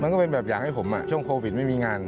ก็เป็นแบบอยากให้ผมช่วงโควิดไม่มีงาน